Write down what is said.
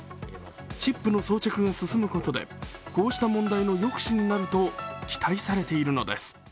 チップの装着が進むことでこうした問題の抑止になると期待されているのです。